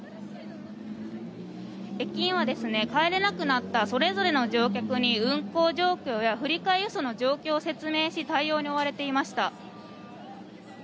駅員は帰れなくなったそれぞれの乗客に運行状況や振り替え輸送の状況などを説明し対応に追われていました。